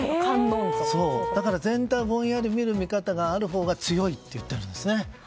だから全体をぼんやり見る見方があるほうが強いって言ってるんです。